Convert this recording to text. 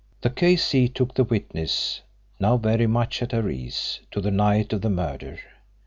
The K.C. took the witness, now very much at her ease, to the night of the murder.